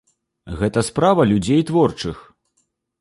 Гэта справа людзей творчых.